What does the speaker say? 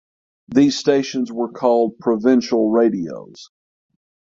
These stations were called Provincial radios.